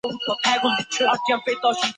唐代朔方人。